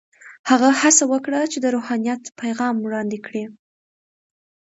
هغه هڅه وکړه چې د روحانیت پیغام وړاندې کړي.